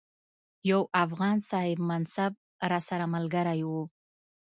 یو افغان صاحب منصب راسره ملګری وو.